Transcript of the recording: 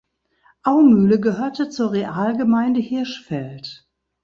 Aumühle gehörte zur Realgemeinde Hirschfeld.